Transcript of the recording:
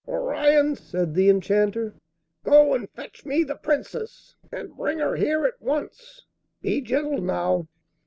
'Orion,' said the Enchanter, 'go and fetch me the Princess, and bring her here at once. Be gentle now!